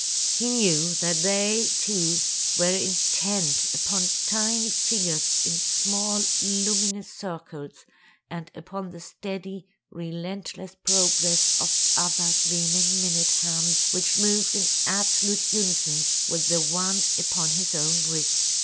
He knew that they, too, were intent upon tiny figures in small luminous circles and upon the steady, relentless progress of other gleaming minute hands which moved in absolute unison with the one upon his own wrist.